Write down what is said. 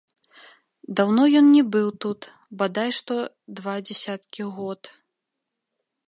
Даўно ён не быў тут, бадай што два дзесяткі год.